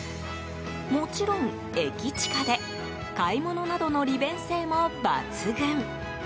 もちろん、駅チカで買い物などの利便性も抜群。